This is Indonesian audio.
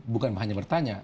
bukan hanya bertanya